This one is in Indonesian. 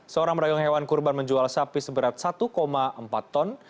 seorang merayung hewan kurban menjual sapi seberat satu empat ton